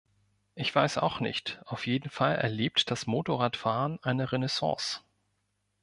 Ich weiß auch nicht, auf jeden Fall erlebt das Motorradfahren eine Renaissance.